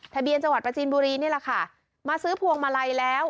ทะเบียนจังหวัดประจีนบุรีนี่แหละค่ะมาซื้อพวงมาลัยแล้ว